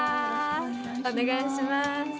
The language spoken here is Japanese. お願いします。